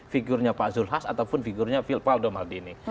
figurnya pak zul has ataupun figurnya valdo maldini